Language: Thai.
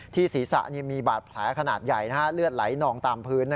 ศีรษะมีบาดแผลขนาดใหญ่เลือดไหลนองตามพื้น